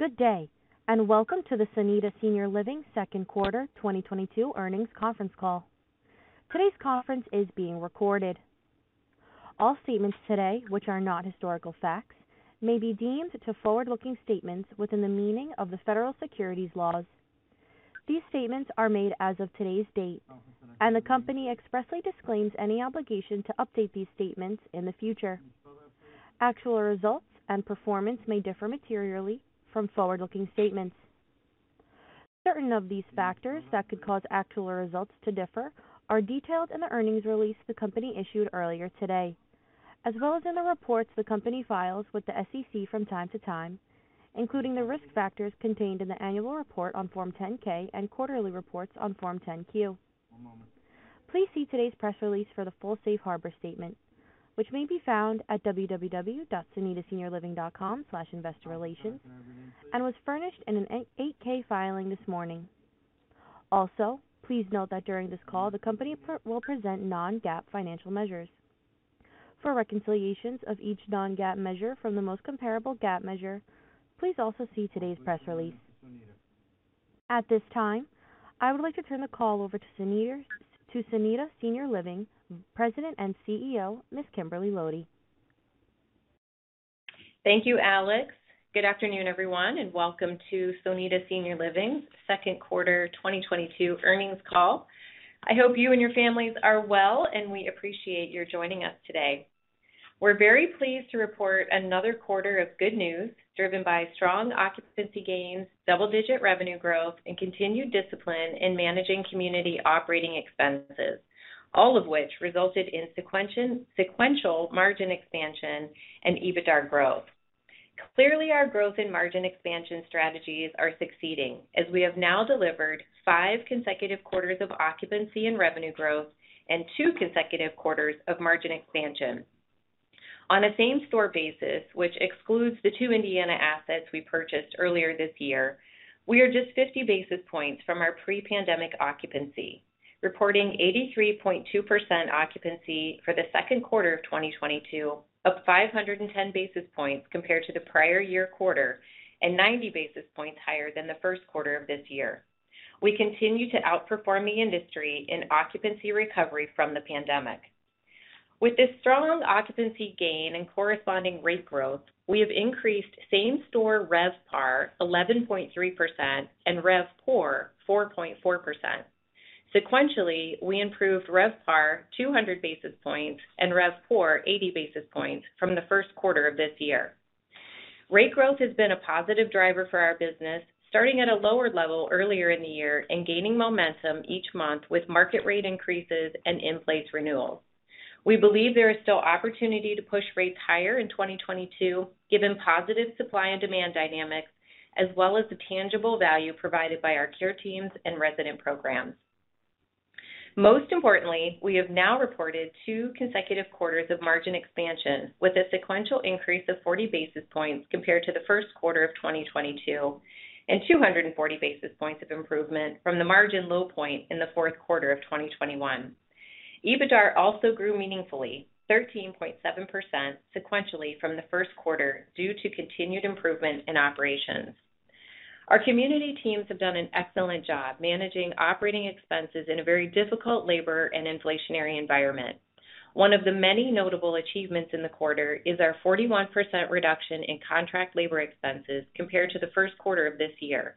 Good day, and welcome to the Sonida Senior Living Second Quarter 2022 Earnings Conference Call. Today's conference is being recorded. All statements today, which are not historical facts, may be deemed to forward-looking statements within the meaning of the federal securities laws. These statements are made as of today's date, and the Company expressly disclaims any obligation to update these statements in the future. Actual results and performance may differ materially from forward-looking statements. Certain of these factors that could cause actual results to differ are detailed in the earnings release the Company issued earlier today, as well as in the reports the Company files with the SEC from time to time, including the risk factors contained in the annual report on Form 10-K and quarterly reports on Form 10-Q. Please see today's press release for the full safe harbor statement, which may be found at www.sonidaseniorliving.com/investorrelations and was furnished in an 8-K filing this morning. Also, please note that during this call, the Company will present non-GAAP financial measures. For reconciliations of each non-GAAP measure from the most comparable GAAP measure, please also see today's press release. At this time, I would like to turn the call over to Sonida Senior Living President and CEO, Ms. Kimberly Lody. Thank you, Alex. Good afternoon, everyone, and welcome to Sonida Senior Living Second Quarter 2022 Earnings Call. I hope you and your families are well, and we appreciate your joining us today. We're very pleased to report another quarter of good news, driven by strong occupancy gains, double-digit revenue growth, and continued discipline in managing community operating expenses, all of which resulted in sequential margin expansion and EBITDAR growth. Clearly, our growth in margin expansion strategies are succeeding as we have now delivered five consecutive quarters of occupancy and revenue growth and two consecutive quarters of margin expansion. On a same-store basis, which excludes the two Indiana assets we purchased earlier this year, we are just 50 basis points from our pre-pandemic occupancy, reporting 83.2% occupancy for the second quarter of 2022, up 510 basis points compared to the prior year quarter and 90 basis points higher than the first quarter of this year. We continue to outperform the industry in occupancy recovery from the pandemic. With this strong occupancy gain and corresponding rate growth, we have increased same-store RevPAR 11.3% and RevPOR 4.4%. Sequentially, we improved RevPAR 200 basis points and RevPOR 80 basis points from the first quarter of this year. Rate growth has been a positive driver for our business, starting at a lower level earlier in the year and gaining momentum each month with market rate increases and in-place renewals. We believe there is still opportunity to push rates higher in 2022, given positive supply and demand dynamics, as well as the tangible value provided by our care teams and resident programs. Most importantly, we have now reported two consecutive quarters of margin expansion with a sequential increase of 40 basis points compared to the first quarter of 2022 and 240 basis points of improvement from the margin low point in the fourth quarter of 2021. EBITDAR also grew meaningfully, 13.7% sequentially from the first quarter due to continued improvement in operations. Our community teams have done an excellent job managing operating expenses in a very difficult labor and inflationary environment. One of the many notable achievements in the quarter is our 41% reduction in contract labor expenses compared to the first quarter of this year.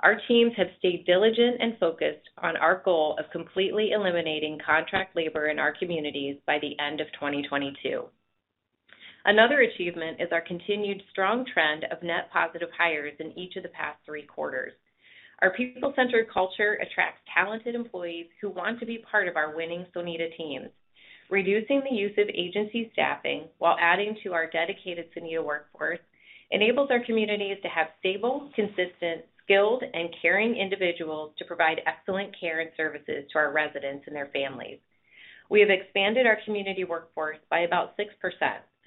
Our teams have stayed diligent and focused on our goal of completely eliminating contract labor in our communities by the end of 2022. Another achievement is our continued strong trend of net positive hires in each of the past three quarters. Our people-centered culture attracts talented employees who want to be part of our winning Sonida teams. Reducing the use of agency staffing while adding to our dedicated Sonida workforce enables our communities to have stable, consistent, skilled and caring individuals to provide excellent care and services to our residents and their families. We have expanded our community workforce by about 6%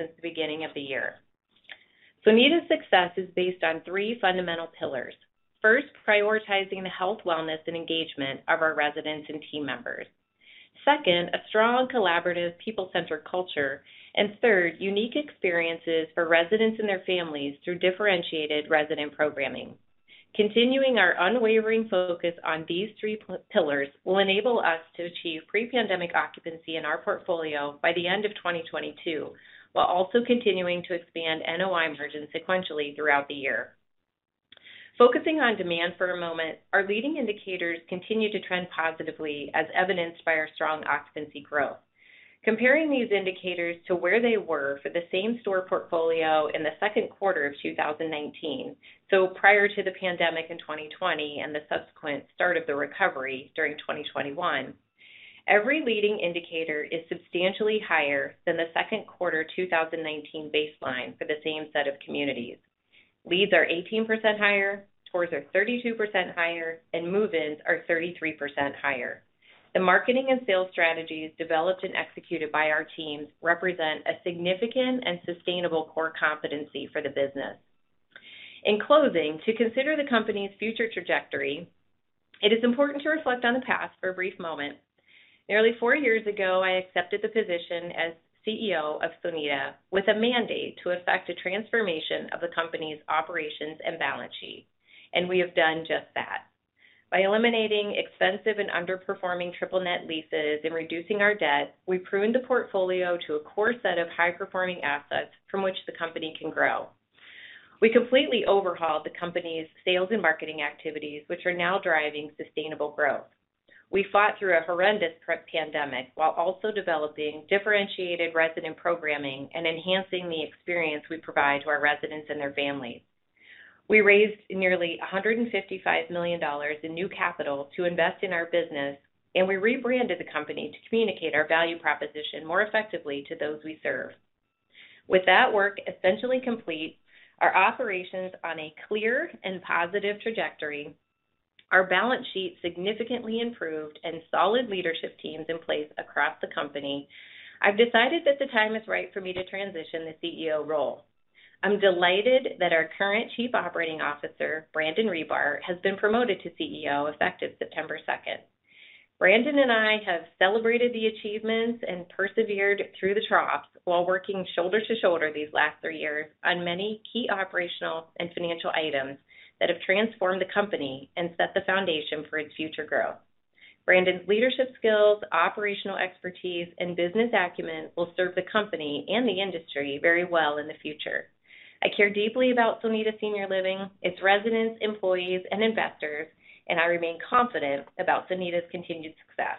since the beginning of the year. Sonida's success is based on three fundamental pillars. First, prioritizing the health, wellness, and engagement of our residents and team members. Second, a strong, collaborative, people-centered culture. Third, unique experiences for residents and their families through differentiated resident programming. Continuing our unwavering focus on these three pillars will enable us to achieve pre-pandemic occupancy in our portfolio by the end of 2022, while also continuing to expand NOI margin sequentially throughout the year. Focusing on demand for a moment, our leading indicators continue to trend positively as evidenced by our strong occupancy growth. Comparing these indicators to where they were for the same store portfolio in the second quarter of 2019, so prior to the pandemic in 2020 and the subsequent start of the recovery during 2021, every leading indicator is substantially higher than the second quarter 2019 baseline for the same set of communities. Leads are 18% higher, tours are 32% higher, and move-ins are 33% higher. The marketing and sales strategies developed and executed by our teams represent a significant and sustainable core competency for the business. In closing, to consider the company's future trajectory. It is important to reflect on the past for a brief moment. Nearly four years ago, I accepted the position as CEO of Sonida with a mandate to effect a transformation of the company's operations and balance sheet, and we have done just that. By eliminating expensive and underperforming triple net leases and reducing our debt, we pruned the portfolio to a core set of high-performing assets from which the company can grow. We completely overhauled the company's sales and marketing activities, which are now driving sustainable growth. We fought through a horrendous pandemic while also developing differentiated resident programming and enhancing the experience we provide to our residents and their families. We raised nearly $155 million in new capital to invest in our business, and we rebranded the company to communicate our value proposition more effectively to those we serve. With that work essentially complete, our operations on a clear and positive trajectory, our balance sheet significantly improved, and solid leadership teams in place across the company, I've decided that the time is right for me to transition the CEO role. I'm delighted that our current Chief Operating Officer, Brandon Ribar, has been promoted to CEO effective September 2nd. Brandon and I have celebrated the achievements and persevered through the troughs while working shoulder to shoulder these last three years on many key operational and financial items that have transformed the company and set the foundation for its future growth. Brandon's leadership skills, operational expertise, and business acumen will serve the company and the industry very well in the future. I care deeply about Sonida Senior Living, its residents, employees, and investors, and I remain confident about Sonida's continued success.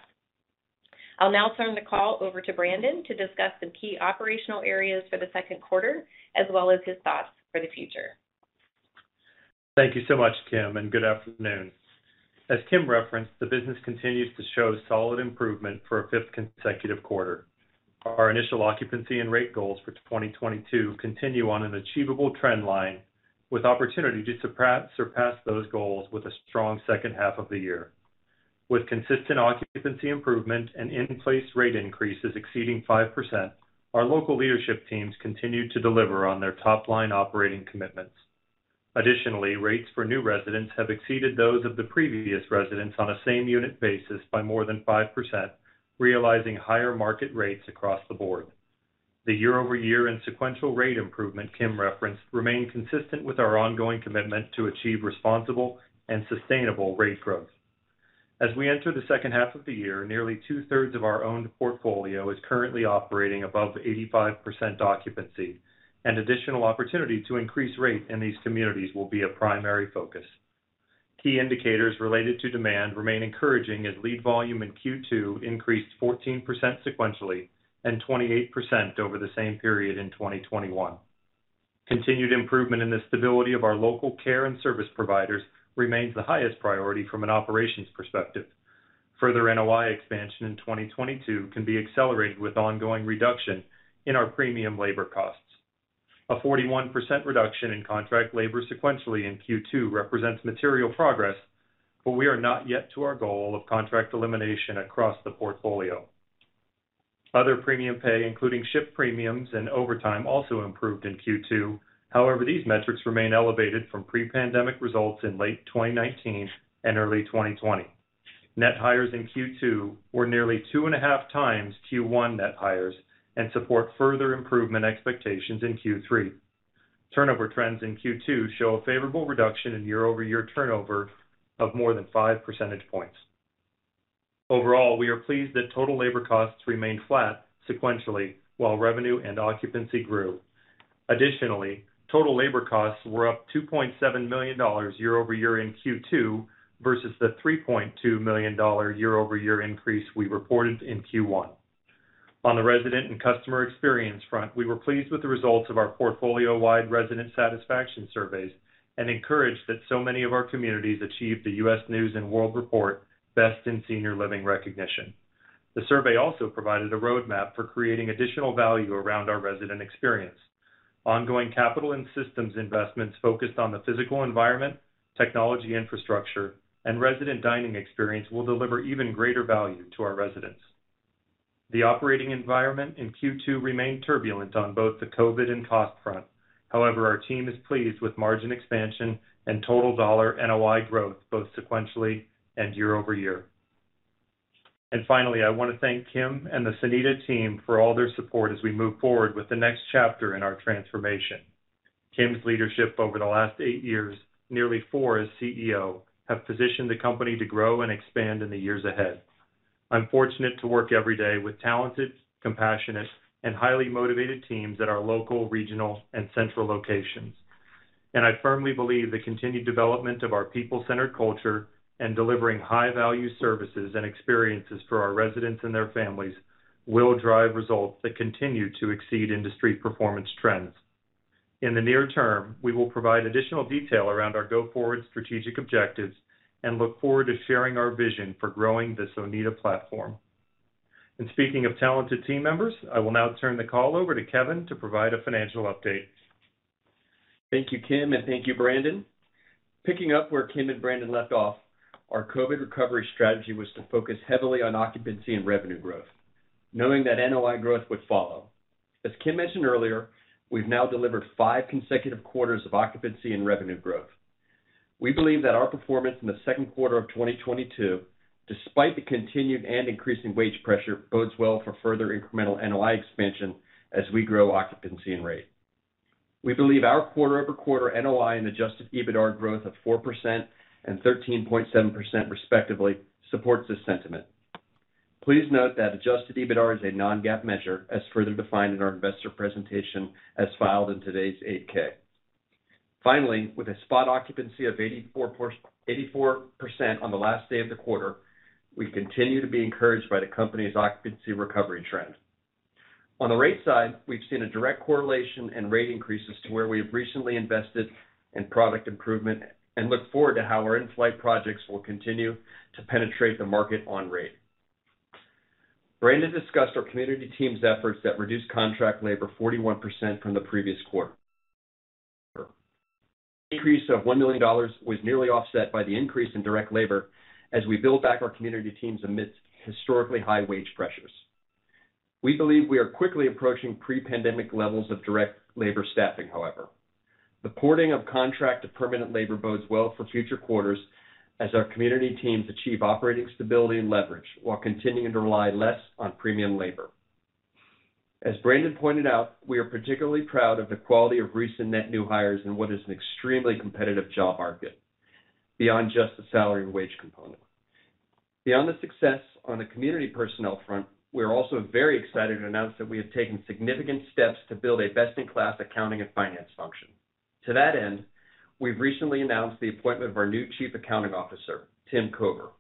I'll now turn the call over to Brandon to discuss some key operational areas for the second quarter, as well as his thoughts for the future. Thank you so much, Kim, and good afternoon. As Kim referenced, the business continues to show solid improvement for a fifth consecutive quarter. Our initial occupancy and rate goals for 2022 continue on an achievable trend line with opportunity to surpass those goals with a strong second half of the year. With consistent occupancy improvement and in-place rate increases exceeding 5%, our local leadership teams continue to deliver on their top-line operating commitments. Additionally, rates for new residents have exceeded those of the previous residents on a same-unit basis by more than 5%, realizing higher market rates across the board. The year-over-year and sequential rate improvement Kim referenced remain consistent with our ongoing commitment to achieve responsible and sustainable rate growth. As we enter the second half of the year, nearly two-thirds of our owned portfolio is currently operating above 85% occupancy, and additional opportunity to increase rate in these communities will be a primary focus. Key indicators related to demand remain encouraging as lead volume in Q2 increased 14% sequentially and 28% over the same period in 2021. Continued improvement in the stability of our local care and service providers remains the highest priority from an operations perspective. Further NOI expansion in 2022 can be accelerated with ongoing reduction in our premium labor costs. A 41% reduction in contract labor sequentially in Q2 represents material progress, but we are not yet to our goal of contract elimination across the portfolio. Other premium pay, including shift premiums and overtime, also improved in Q2. However, these metrics remain elevated from pre-pandemic results in late 2019 and early 2020. Net hires in Q2 were nearly 2.5 times Q1 net hires and support further improvement expectations in Q3. Turnover trends in Q2 show a favorable reduction in year-over-year turnover of more than five percentage points. Overall, we are pleased that total labor costs remained flat sequentially while revenue and occupancy grew. Additionally, total labor costs were up $2.7 million year-over-year in Q2 versus the $3.2 million year-over-year increase we reported in Q1. On the resident and customer experience front, we were pleased with the results of our portfolio-wide resident satisfaction surveys and encouraged that so many of our communities achieved the U.S. News & World Report Best Senior Living recognition. The survey also provided a roadmap for creating additional value around our resident experience. Ongoing capital and systems investments focused on the physical environment, technology infrastructure, and resident dining experience will deliver even greater value to our residents. The operating environment in Q2 remained turbulent on both the COVID and cost front. However, our team is pleased with margin expansion and total dollar NOI growth, both sequentially and year-over-year. Finally, I wanna thank Kim and the Sonida team for all their support as we move forward with the next chapter in our transformation. Kim's leadership over the last eight years, nearly four as CEO, have positioned the company to grow and expand in the years ahead. I'm fortunate to work every day with talented, compassionate, and highly motivated teams at our local, regional, and central locations. I firmly believe the continued development of our people-centered culture and delivering high-value services and experiences for our residents and their families will drive results that continue to exceed industry performance trends. In the near term, we will provide additional detail around our go-forward strategic objectives and look forward to sharing our vision for growing the Sonida platform. Speaking of talented team members, I will now turn the call over to Kevin to provide a financial update. Thank you, Kim, and thank you, Brandon. Picking up where Kim and Brandon left off, our COVID recovery strategy was to focus heavily on occupancy and revenue growth. Knowing that NOI growth would follow. As Kim mentioned earlier, we've now delivered five consecutive quarters of occupancy and revenue growth. We believe that our performance in the second quarter of 2022, despite the continued and increasing wage pressure, bodes well for further incremental NOI expansion as we grow occupancy and rate. We believe our quarter-over-quarter NOI and Adjusted EBITDAR growth of 4% and 13.7% respectively supports this sentiment. Please note that Adjusted EBITDAR is a non-GAAP measure, as further defined in our investor presentation as filed in today's 8-K. Finally, with a spot occupancy of 84% on the last day of the quarter, we continue to be encouraged by the company's occupancy recovery trend. On the rate side, we've seen a direct correlation in rate increases to where we have recently invested in product improvement and look forward to how our in-flight projects will continue to penetrate the market on rate. Brandon discussed our community team's efforts that reduced contract labor 41% from the previous quarter. Decrease of $1 million was nearly offset by the increase in direct labor as we build back our community teams amidst historically high wage pressures. We believe we are quickly approaching pre-pandemic levels of direct labor staffing, however. The porting of contract to permanent labor bodes well for future quarters as our community teams achieve operating stability and leverage while continuing to rely less on premium labor. As Brandon pointed out, we are particularly proud of the quality of recent net new hires in what is an extremely competitive job market beyond just the salary and wage component. Beyond the success on the community personnel front, we are also very excited to announce that we have taken significant steps to build a best-in-class accounting and finance function. To that end, we've recently announced the appointment of our new Chief Accounting Officer, Tim Kober.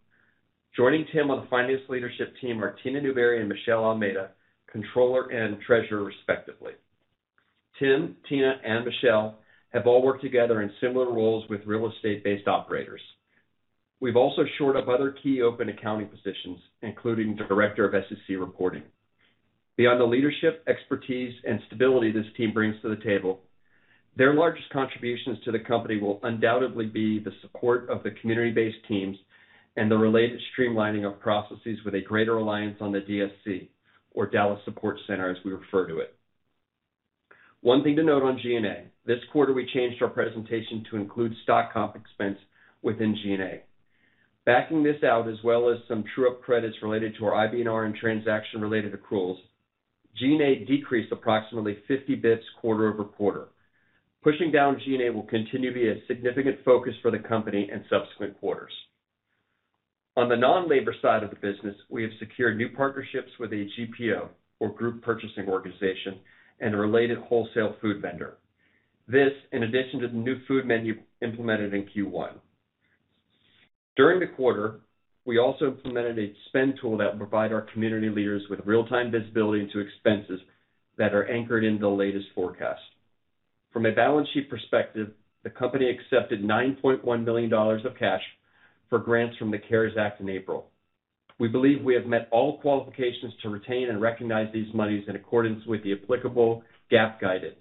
Joining Tim on the finance leadership team are Tina Newberry and Michelle Almeida, Controller and Treasurer, respectively. Tim, Tina, and Michelle have all worked together in similar roles with real estate-based operators. We've also shored up other key open accounting positions, including the Director of SEC Reporting. Beyond the leadership, expertise, and stability this team brings to the table, their largest contributions to the company will undoubtedly be the support of the community-based teams and the related streamlining of processes with a greater reliance on the DSC or Dallas Support Center as we refer to it. One thing to note on G&A. This quarter, we changed our presentation to include stock comp expense within G&A. Backing this out, as well as some true-up credits related to our IBNR and transaction-related accruals, G&A decreased approximately 50 bps quarter-over-quarter. Pushing down G&A will continue to be a significant focus for the company in subsequent quarters. On the non-labor side of the business, we have secured new partnerships with a GPO or Group Purchasing Organization and a related wholesale food vendor. This in addition to the new food menu implemented in Q1. During the quarter, we also implemented a spend tool that will provide our community leaders with real-time visibility into expenses that are anchored in the latest forecast. From a balance sheet perspective, the company accepted $9.1 million of cash for grants from the CARES Act in April. We believe we have met all qualifications to retain and recognize these monies in accordance with the applicable GAAP guidance.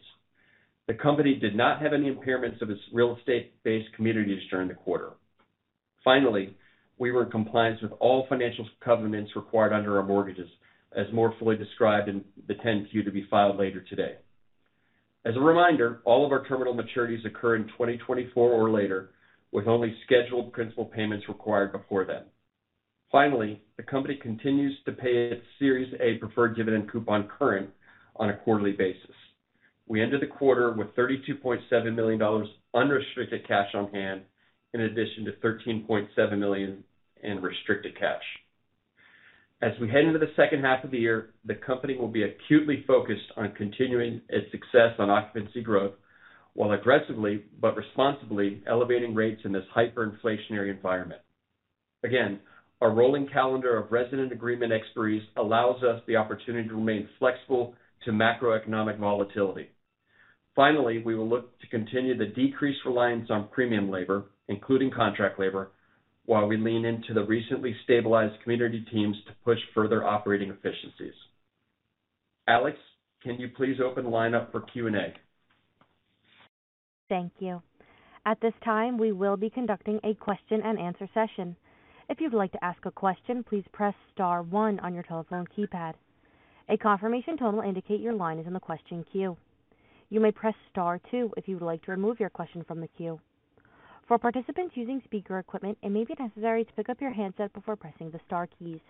The company did not have any impairments of its real estate-based communities during the quarter. Finally, we were in compliance with all financial covenants required under our mortgages, as more fully described in the 10-Q to be filed later today. As a reminder, all of our term maturities occur in 2024 or later, with only scheduled principal payments required before then. Finally, the company continues to pay its Series A preferred dividend coupon current on a quarterly basis. We ended the quarter with $32.7 million unrestricted cash on hand, in addition to $13.7 million in restricted cash. As we head into the second half of the year, the company will be acutely focused on continuing its success on occupancy growth, while aggressively but responsibly elevating rates in this hyperinflationary environment. Again, our rolling calendar of resident agreement expiries allows us the opportunity to remain flexible to macroeconomic volatility. Finally, we will look to continue the decreased reliance on premium labor, including contract labor, while we lean into the recently stabilized community teams to push further operating efficiencies. Alex, can you please open the lineup for Q&A? Thank you. At this time, we will be conducting a question-and-answer session. If you'd like to ask a question, please press star one on your telephone keypad. A confirmation tone will indicate your line is in the question queue. You may press star two if you would like to remove your question from the queue. For participants using speaker equipment, it may be necessary to pick up your handset before pressing the star keys.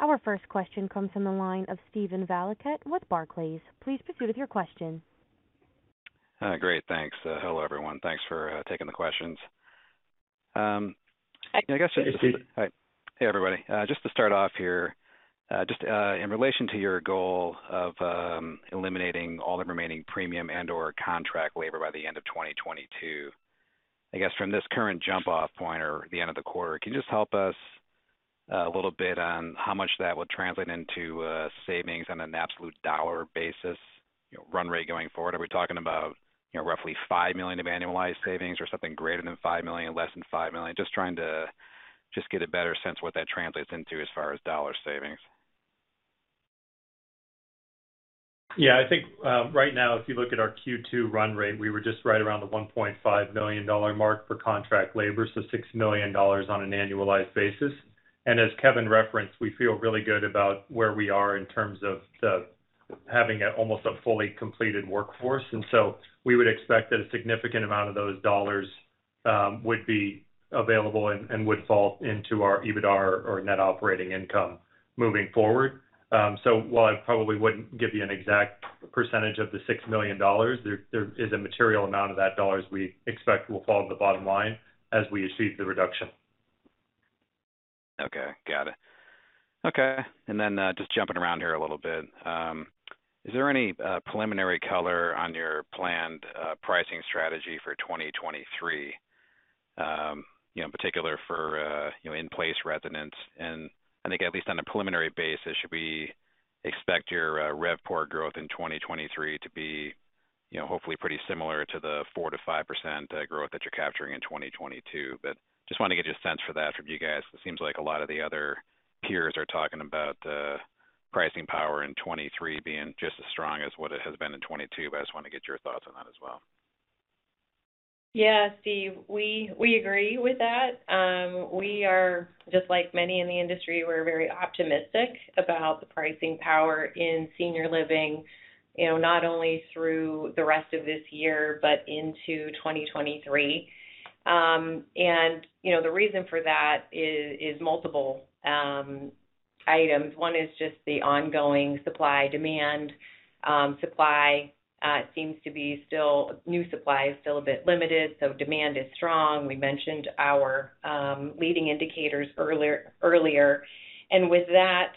Our first question comes from the line of Steven Valiquette with Barclays. Please proceed with your question. Great. Thanks. Hello, everyone. Thanks for taking the questions. I guess. Hey, Steven. Hi. Hey, everybody. Just to start off here, in relation to your goal of eliminating all the remaining premium and/or contract labor by the end of 2022, I guess from this current jump-off point or the end of the quarter, can you just help us a little bit on how much that will translate into savings on an absolute dollar basis, you know, run rate going forward? Are we talking about, you know, roughly $5 million of annualized savings or something greater than $5 million, less than $5 million? Just trying to get a better sense of what that translates into as far as dollar savings. Yeah, I think, right now, if you look at our Q2 run rate, we were just right around the $1.5 million mark for contract labor, so $6 million on an annualized basis. As Kevin referenced, we feel really good about where we are in terms of having almost a fully completed workforce. We would expect that a significant amount of those dollars would be available and would fall into our EBITDAR or net operating income moving forward. While I probably wouldn't give you an exact percentage of the $6 million, there is a material amount of that dollars we expect will fall to the bottom line as we receive the reduction. Okay. Got it. Okay, then just jumping around here a little bit, is there any preliminary color on your planned pricing strategy for 2023, you know, in particular for you know, in-place residents? I think at least on a preliminary basis, should we expect your RevPAR growth in 2023 to be, you know, hopefully pretty similar to the 4%-5% growth that you're capturing in 2022. Just wanna get your sense for that from you guys. It seems like a lot of the other peers are talking about pricing power in 2023 being just as strong as what it has been in 2022, but I just wanna get your thoughts on that as well. Yeah. Steven, we agree with that. We are just like many in the industry. We're very optimistic about the pricing power in senior living, you know, not only through the rest of this year, but into 2023. You know, the reason for that is multiple items. One is just the ongoing supply demand. New supply is still a bit limited, so demand is strong. We mentioned our leading indicators earlier. With that,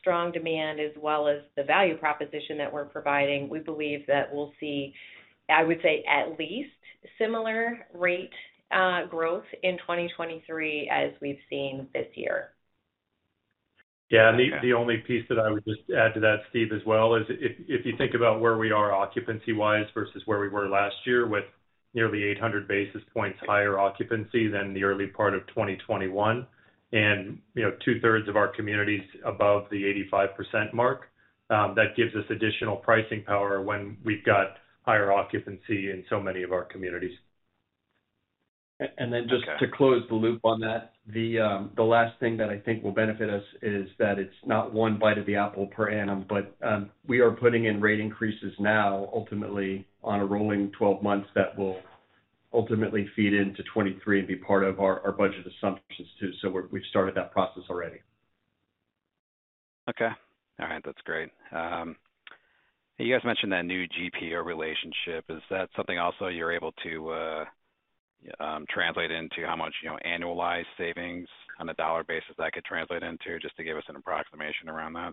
strong demand as well as the value proposition that we're providing, we believe that we'll see, I would say, at least similar rate growth in 2023 as we've seen this year. Yeah. Okay. The only piece that I would just add to that, Steven, as well, is if you think about where we are occupancy-wise versus where we were last year with nearly 800 basis points higher occupancy than the early part of 2021, and you know, two-thirds of our communities above the 85% mark, that gives us additional pricing power when we've got higher occupancy in so many of our communities. Okay. Just to close the loop on that, the last thing that I think will benefit us is that it's not one bite of the apple per annum, but we are putting in rate increases now ultimately on a rolling twelve months that will ultimately feed into 2023 and be part of our budget assumptions too. We've started that process already. Okay. All right. That's great. You guys mentioned that new GPO relationship. Is that something also you're able to translate into how much, you know, annualized savings on a dollar basis that could translate into, just to give us an approximation around that?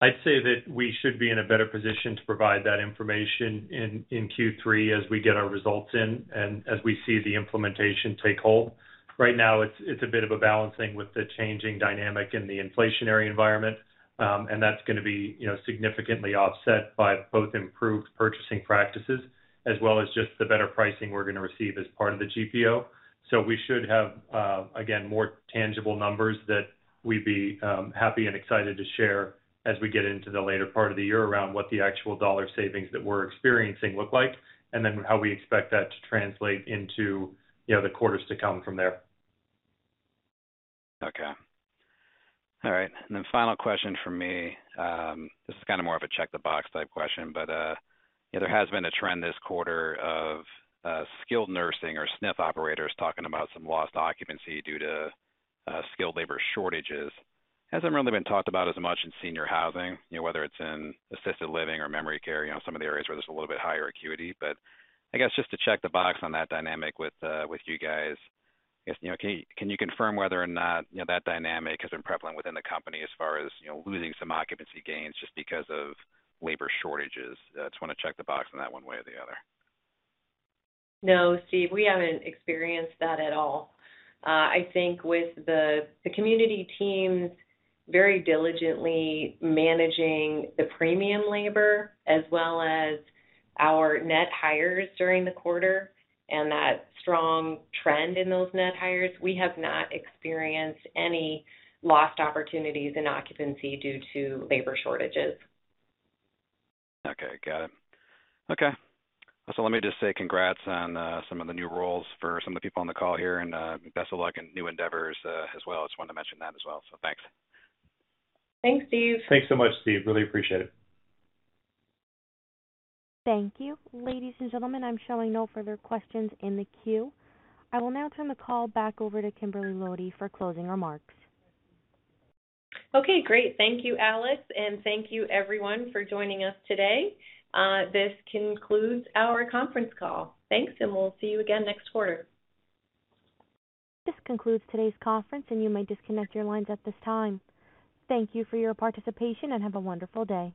I'd say that we should be in a better position to provide that information in Q3 as we get our results in and as we see the implementation take hold. Right now it's a bit of a balancing with the changing dynamic in the inflationary environment. That's gonna be, you know, significantly offset by both improved purchasing practices as well as just the better pricing we're gonna receive as part of the GPO. We should have, again, more tangible numbers that we'd be happy and excited to share as we get into the later part of the year around what the actual dollar savings that we're experiencing look like, and then how we expect that to translate into, you know, the quarters to come from there. Okay. All right. Then final question from me. This is kind of more of a check the box type question, but, you know, there has been a trend this quarter of, Skilled Nursing or SNF operators talking about some lost occupancy due to, skilled labor shortages. Hasn't really been talked about as much in senior housing, you know, whether it's in assisted living or memory care, you know, some of the areas where there's a little bit higher acuity. I guess just to check the box on that dynamic with you guys, I guess, you know, can you confirm whether or not, you know, that dynamic has been prevalent within the company as far as, you know, losing some occupancy gains just because of labor shortages? Just wanna check the box on that one way or the other. No, Steve, we haven't experienced that at all. I think with the community teams very diligently managing the premium labor as well as our net hires during the quarter and that strong trend in those net hires, we have not experienced any lost opportunities in occupancy due to labor shortages. Okay. Got it. Okay. Let me just say congrats on some of the new roles for some of the people on the call here, and best of luck in new endeavors as well. Just wanted to mention that as well. Thanks. Thanks, Steven. Thanks so much, Steven. Really appreciate it. Thank you. Ladies and gentlemen, I'm showing no further questions in the queue. I will now turn the call back over to Kimberly Lody for closing remarks. Okay, great. Thank you, Alex, and thank you everyone for joining us today. This concludes our conference call. Thanks, and we'll see you again next quarter. This concludes today's conference, and you may disconnect your lines at this time. Thank you for your participation, and have a wonderful day.